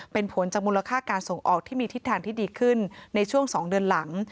เป็นผลจากมูลค่าการส่งออกที่มีทิศทางที่ดีขึ้นในช่วง๒เดือนหลัง